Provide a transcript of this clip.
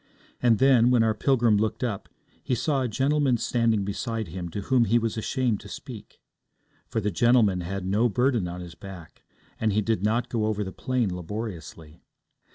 And then, when our pilgrim looked up, he saw a gentleman standing beside him to whom he was ashamed to speak. For the gentleman had no burden on his back, and he did not go over the plain laboriously.